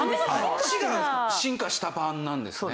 そっちが進化した版なんですね。